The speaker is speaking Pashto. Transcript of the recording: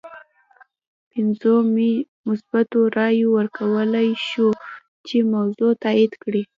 پنځو مثبتو رایو وکولای شول چې موضوع تایید کړي.